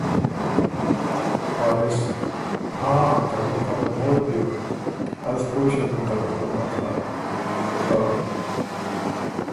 وارث ـــ”هاں! ترمُن خه ڒموت بیوک از پویٛ ݭیوکم ترتُو په مطلب۔۔۔ خه۔۔۔“